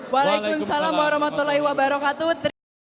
waalaikumsalam warahmatullahi wabarakatuh